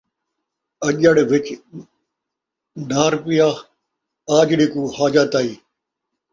اجڑ وچ نہر پیا، آجڑی کوں حاجت آئی